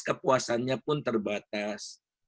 kepuasannya pun terbatas